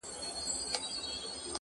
ښار او مالت ته مو ښادی او اخترونه لیکي -